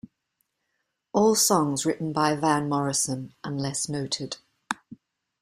All songs written by Van Morrison unless noted.